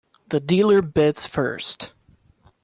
The dealer bids first.